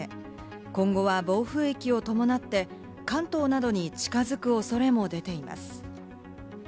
今後は暴風域を伴って、関東などに近づく恐れも出ています。